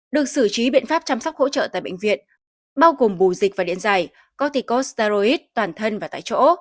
được xử trí biện pháp chăm sóc hỗ trợ tại bệnh viện bao gồm bù dịch và điện dày corticoid toàn thân và tại chỗ